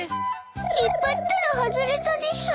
引っ張ったら外れたです。